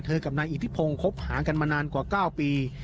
กับนายอิทธิพงศ์คบหากันมานานกว่า๙ปี